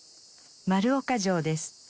丸岡城です。